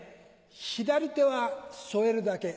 左手は添えるだけ。